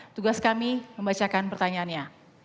tugas kami membacakan pertanyaannya